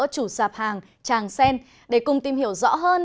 chủ sạp hàng tràng sen để cùng tìm hiểu rõ hơn